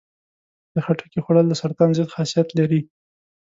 د خټکي خوړل د سرطان ضد خاصیت لري.